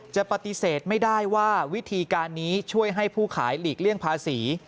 จะปฏิเสธไม่ได้ว่าวิธีการนี้ช่วยให้ผู้ขายหลีกเลี่ยงภาษี